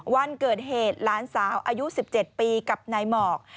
วันเกิดเหตุหลานสาวอายุ๑๗ปีกับนายหมอก